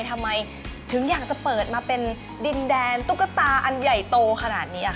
ทำไมถึงอยากจะเปิดมาเป็นดินแดนตุ๊กตาอันใหญ่โตขนาดนี้